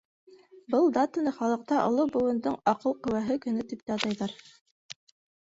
Был датаны халыҡта Оло быуындың аҡыл ҡеүәһе көнө тип тә атайҙар.